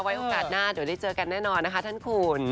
โอกาสหน้าเดี๋ยวได้เจอกันแน่นอนนะคะท่านคุณ